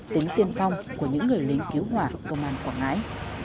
tính tiên phong của những người lính cứu hỏa công an quảng ngãi